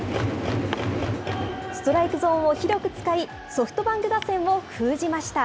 ストライクゾーンを広く使い、ソフトバンク打線を封じました。